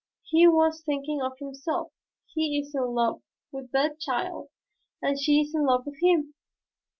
"He was thinking of himself. He is in love with that child, and she is in love with him.